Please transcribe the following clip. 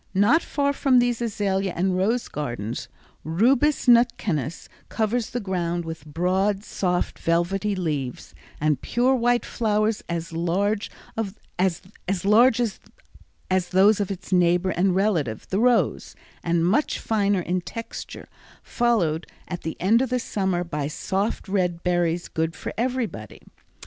Not far from these azalea and rose gardens, Rubus nutkanus covers the ground with broad, soft, velvety leaves, and pure white flowers as large as those of its neighbor and relative, the rose, and much finer in texture, followed at the end of summer by soft red berries good for everybody.